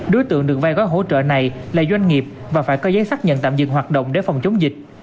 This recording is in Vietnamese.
đối tượng được vai gói hỗ trợ này là doanh nghiệp và phải có giấy xác nhận tạm dừng hoạt động để phòng chống dịch